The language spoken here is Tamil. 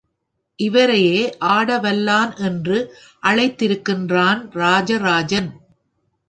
இவரையே ஆடவல்லான் என்று அழைத்திருக்கிறான் ராஜராஜன்.